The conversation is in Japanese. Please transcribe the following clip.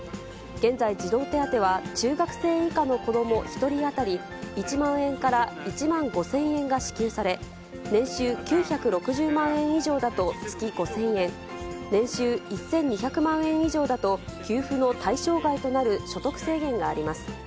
現在、児童手当は中学生以下の子ども１人当たり、１万円から１万５０００円が支給され、年収９６０万円以上だと月５０００円、年収１２００万円以上だと給付の対象外となる所得制限があります。